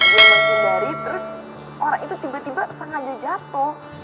dia menghindari terus orang itu tiba tiba sengaja jatuh